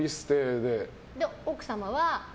で、奥様は。